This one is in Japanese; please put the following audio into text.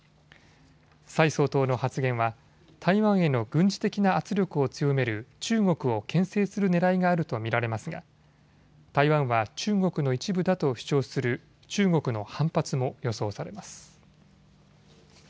蔡総統の発言は台湾への軍事的な圧力を強める中国をけん制するねらいがあると見られますが台湾は中国の一部だと主張する中国の反発も予想されます。